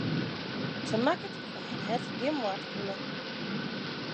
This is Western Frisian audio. Sy makket fan har hert gjin moardkûle.